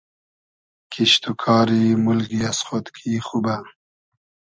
کیشت و کاری مولگی از خۉدگی خوبۂ